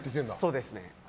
そうですね。